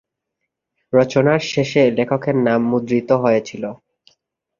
রচনার শেষে লেখকের নাম মুদ্রিত হয়েছিল।